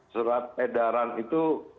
serat edaran itu